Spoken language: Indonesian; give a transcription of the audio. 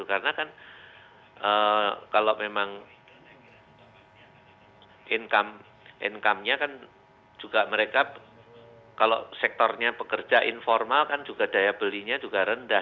karena kan kalau memang income nya kan juga mereka kalau sektornya pekerja informal kan juga daya belinya juga rendah